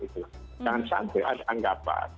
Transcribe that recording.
jangan sampai ada anggapan